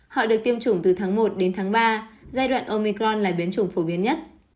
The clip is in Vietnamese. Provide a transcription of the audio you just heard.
họ được tiêm chủng từ tháng một đến tháng ba giai đoạn omicron là biến chủng phổ biến nhất